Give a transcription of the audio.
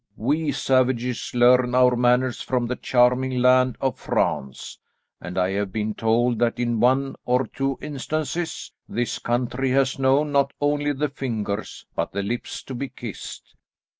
We savages learn our manners from the charming land of France; and I have been told that in one or two instances, this country has known not only the fingers, but the lips to be kissed."